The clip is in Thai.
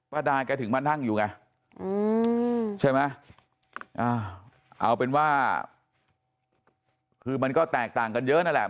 ดายแกถึงมานั่งอยู่ไงใช่ไหมเอาเป็นว่าคือมันก็แตกต่างกันเยอะนั่นแหละ